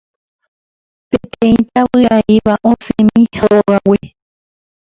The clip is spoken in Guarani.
Peteĩ tavyraíva osẽmi hógagui.